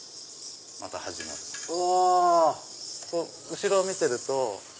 後ろを見てると。